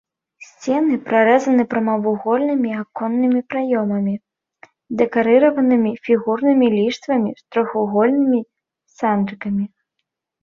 Сцены прарэзаны прамавугольнымі аконнымі праёмамі, дэкарыраванымі фігурнымі ліштвамі з трохвугольнымі сандрыкамі.